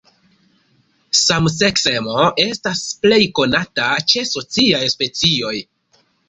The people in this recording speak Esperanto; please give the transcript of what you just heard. Samseksemo estas plej konata ĉe sociaj specioj.